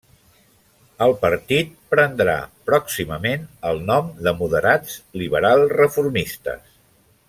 El partit prendrà pròximament el nom de Moderats Liberal Reformistes.